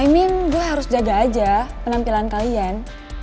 i mean gue harus jaga aja penampilan kalian